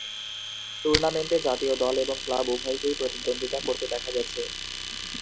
টুর্নামেন্টে জাতীয় দল এবং ক্লাব উভয়কেই প্রতিদ্বন্দ্বিতা করতে দেখা গেছে।